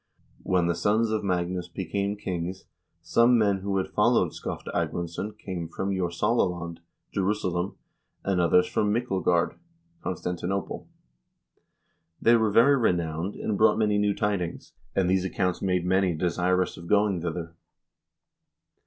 " When the sons of Magnus became kings, some men who had followed Skofte Agmundsson came from Jorsala land (Jerusalem), and others from Myklegard (Constantinople). They were very renowned, and brought many new tidings, and these accounts made many desirous of going thither."